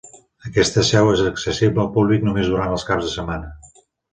Aquesta seu és accessible al públic només durant els caps de setmana.